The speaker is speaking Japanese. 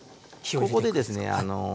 ここでですね